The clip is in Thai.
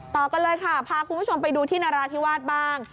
ต่อกันเลยค่ะพาคุณผู้ชมไปดูที่นราธิวาสบ้าง